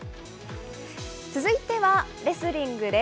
続いてはレスリングです。